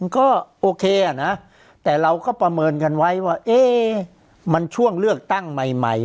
ก็โอเคนะแต่เราก็ประเมินกันไว้ว่ามันช่วงเลือกตั้งใหม่